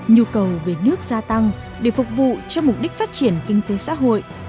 nhu cầu về nước gia tăng để phục vụ cho mục đích phát triển kinh tế xã hội